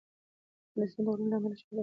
افغانستان د غرونه له امله شهرت لري.